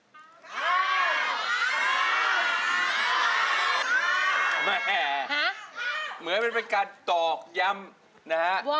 แม่เหมือนเป็นการตอกย้ำนะฮะ